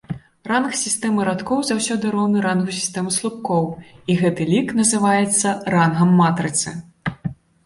Ранг сістэмы радкоў заўсёды роўны рангу сістэмы слупкоў, і гэты лік называецца рангам матрыцы.